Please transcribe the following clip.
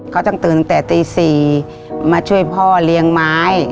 เขาต้องตื่นตั้งแต่ตี๔มาช่วยพ่อเลี้ยงไม้